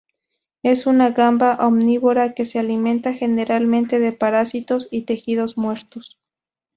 Es una gamba omnívora, que se alimenta generalmente de parásitos y tejidos muertos.